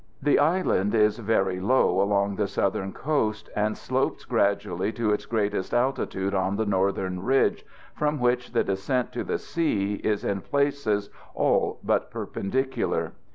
The island is very low along the southern coast, and slopes gradually to its greatest altitude on the northern ridge, from which the descent to the sea is in places all but perpendicular.